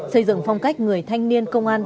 xây dựng phong cách người thanh niên công an